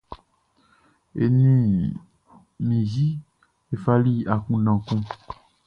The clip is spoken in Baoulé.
E ni mi yi e fali akunndan kun.